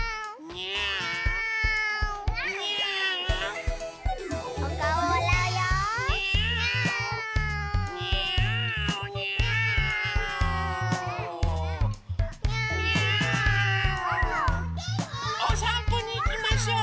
にゃお！おさんぽにいきましょう。